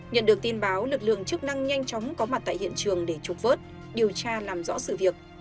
nhận được tin báo lực lượng chức năng nhanh chóng có mặt tại hiện trường để trục vớt điều tra làm rõ sự việc